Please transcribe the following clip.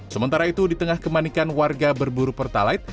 sementara itu di tengah kemanikan warga berburu pertalite